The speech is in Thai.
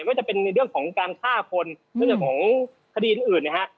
ไม่ได้เป็นในเรื่องของการฆ่าคนหรือของคดีอื่นนะครับ